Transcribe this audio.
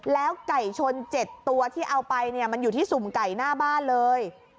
แล้วไก่ชน๗ตัวที่เอาไปเนี่ยมันอยู่ที่สุ่มไก่หน้าบ้านเลย